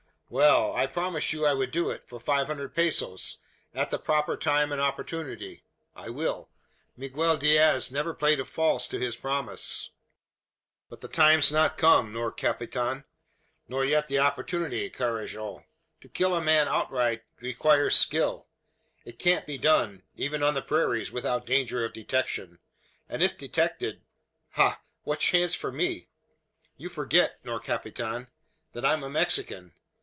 "Well; I promised you I would do it, for five hundred pesos at the proper time and opportunity. I will. Miguel Diaz never played false to his promise. But the time's not come, nor capitan; nor yet the opportunity, Carajo! To kill a man outright requires skill. It can't be done even on the prairies without danger of detection; and if detected, ha! what chance for me? You forget, nor capitan, that I'm a Mexican.